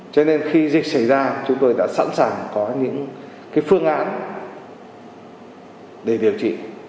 cho nên khi dịch xảy ra chúng tôi đã sẵn sàng có những phương án để điều trị